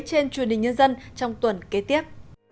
trên truyền hình nhân dân trong tuần kế tiếp